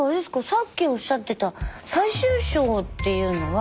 さっきおっしゃってた最終章っていうのは。